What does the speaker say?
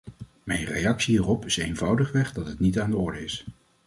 Mijn reactie hierop is eenvoudigweg dat het niet aan de orde is.